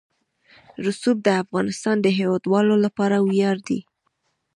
رسوب د افغانستان د هیوادوالو لپاره ویاړ دی.